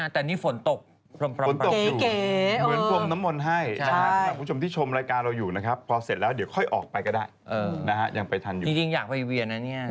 ที่ยิ่งใหญ่มากแล้วก็ตรงกับวันพระพอดี